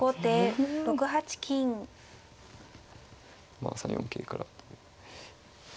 まあ３四桂から。